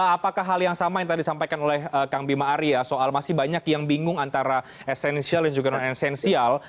apakah hal yang sama yang tadi disampaikan oleh kang bima arya soal masih banyak yang bingung antara esensial dan juga non esensial